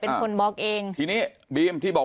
มือก็บล็อกลายก็บล็อก